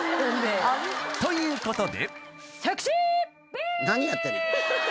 ［ということで］